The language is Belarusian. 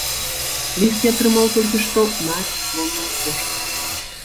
Ліст я атрымаў толькі што на электронную пошту.